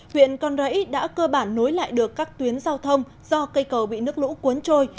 huyện con rẫy đã cơ bản nối lại được các tuyến giao thông do cây cầu bị nước lũ cuốn trôi